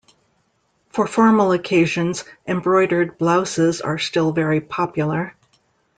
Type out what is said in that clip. For formal occasions, embroidered blouses are still very popular.